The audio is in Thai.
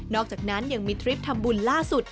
อกจากนั้นยังมีทริปทำบุญล่าสุด